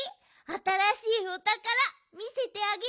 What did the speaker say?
あたらしいおたからみせてあげるよ。